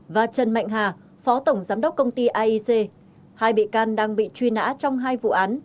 và trần mạnh hà phó tổng giám đốc công ty aic hai bị can đang bị truy nã trong hai vụ án